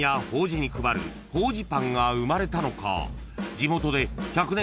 ［地元で１００年